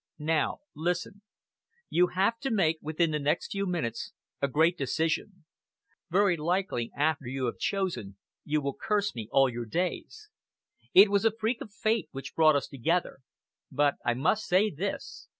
Now listen. You have to make, within the next few minutes, a great decision. Very likely, after you have chosen, you will curse me all your days. It was a freak of fate which brought us together. But I must say this.